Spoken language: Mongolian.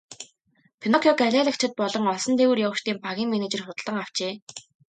Пиноккиог алиалагчид болон олсон дээгүүр явагчдын багийн менежер худалдан авчээ.